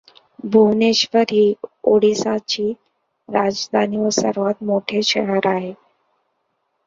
भुवनेश्वर ही ओडिशाची राजधानी व सर्वात मोठे शहर आहे.